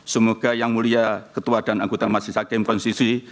semoga yang mulia ketua dan anggota masjid zahid km konstitusi